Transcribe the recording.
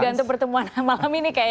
tergantung pertemuan malam ini kayaknya